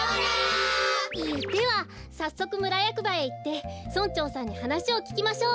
ではさっそくむらやくばへいって村長さんにはなしをききましょう。